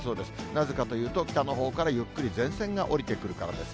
なぜかというと北のほうからゆっくり前線が下りてくるからです。